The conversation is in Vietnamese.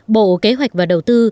bộ kế hoạch và đầu tư